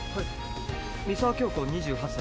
三沢響子２８歳。